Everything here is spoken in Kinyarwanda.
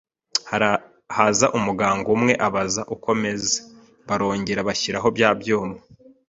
haza umuganga umwe abaza uko meze barongera bashyiraho bya byuma,